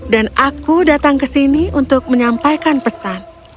dan aku datang ke sini untuk menyampaikan pesan